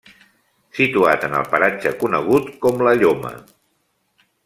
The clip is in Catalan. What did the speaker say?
Situat en el paratge conegut com La Lloma.